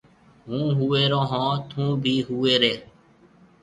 هُون هويرون هون۔ ٿُون بي هويريَ۔